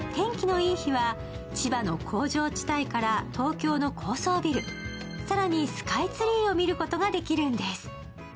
千葉の工場地帯から東京の高層ビル、更にスカイツリーを見ることができるんです。